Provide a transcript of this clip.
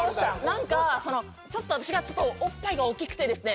何か私がちょっとおっぱいが大きくてですね